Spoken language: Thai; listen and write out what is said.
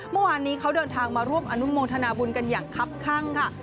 เมื่อวานนี้เขาเดินทางมาร่วมอนุโมทนาบุญกันอย่างคับข้างค่ะ